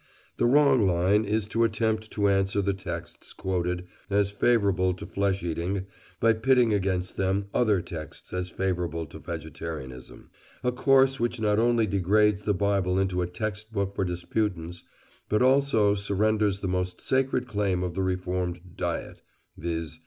The wrong line is to attempt to answer the texts quoted as favourable to flesh eating by pitting against them other texts as favourable to vegetarianism—a course which not only degrades the Bible into a text book for disputants, but also surrenders the most sacred claim of the reformed diet—viz.